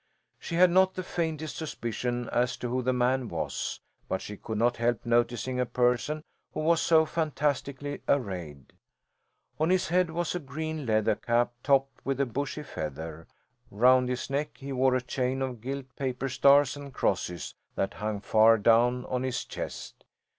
She had not the faintest suspicion as to who the man was, but she could not help noticing a person who was so fantastically arrayed. On his head was a green leather cap, topped with a bushy feather; round his neck he wore a chain of gilt paper stars and crosses that hung far down on his chest.